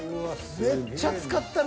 めっちゃ使ったな。